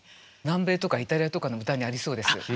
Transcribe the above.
南米とかイタリアとかの歌にありそうです。